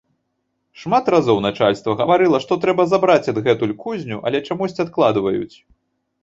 Шмат разоў начальства гаварыла, што трэба забраць адгэтуль кузню, але чамусьці адкладваюць.